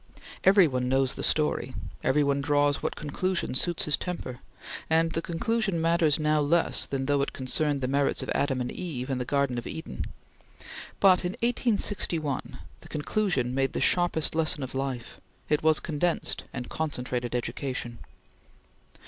Every one knows the story; every one draws what conclusion suits his temper, and the conclusion matters now less than though it concerned the merits of Adam and Eve in the Garden of Eden; but in 1861 the conclusion made the sharpest lesson of life; it was condensed and concentrated education.